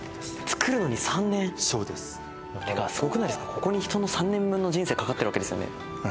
ここに人の３年分の人生かかってるわけですよね。